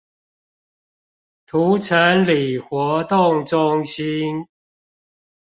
塗城里活動中心